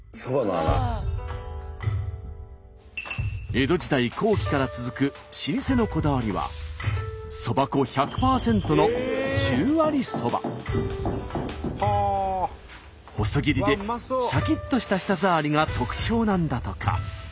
江戸時代後期から続く老舗のこだわりはそば粉１００％の細切りでしゃきっとした舌触りが特徴なんだとか。